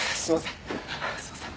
すいません。